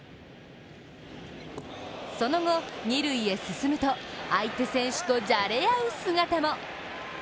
その後、二塁へ進むと相手選手とじゃれあう姿も。